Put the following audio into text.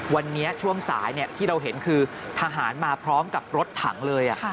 วันนี้ช่วงสายที่เราเห็นคือทหารมาพร้อมกับรถถังเลย